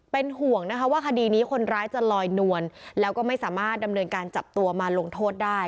เป็นห่วงนะคะว่าคดีนี้คนร้ายจะลอยนวลแล้วก็ไม่สามารถดำเนินการจับตัวมาลงโทษได้